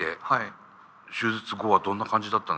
手術後はどんな感じだったんですか？